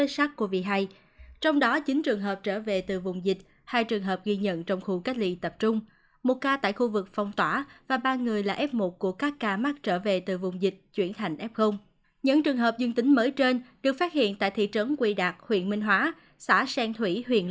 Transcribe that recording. các bạn hãy đăng ký kênh để ủng hộ kênh của chúng mình nhé